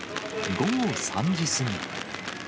午後３時過ぎ。